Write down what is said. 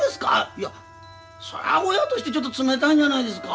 いやそら親としてちょっと冷たいんじゃないですか？